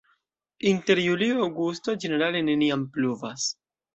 Inter julio-aŭgusto ĝenerale neniam pluvas.